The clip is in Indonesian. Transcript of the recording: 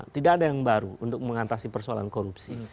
tidak ada yang baru untuk mengatasi persoalan korupsi